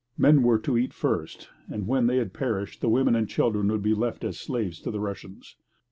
The men were to eat first, and when they perished the women and children would be left as slaves to the Russians.